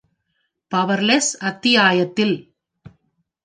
பவர்லெஸ்அத்தியாயத்தில்!